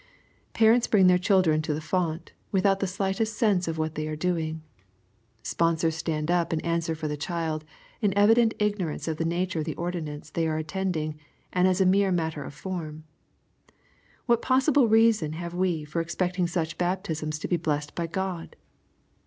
Parents bring their children to the font, without the slightest sense of what they are doing. Sponsors stand up and answer for the child, in evident ignorance of the nature of the ordinance they are attend ing, and as a mere matter of form* What possible reason have wo for expecting such baptisms to be blessed by God